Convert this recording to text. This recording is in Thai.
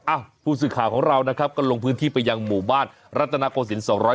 ผู้สื่อข่าวของเรานะครับก็ลงพื้นที่ไปยังหมู่บ้านรัตนโกศิลป๒๕